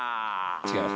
違います。